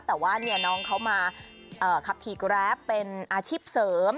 แต่ว่าน้องเขามาขับขี่แกรปเป็นอาชีพเสริม